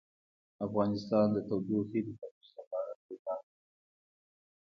افغانستان د تودوخه د ترویج لپاره پروګرامونه لري.